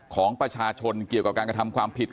ของประชาชนเกี่ยวกับการกระทำความผิด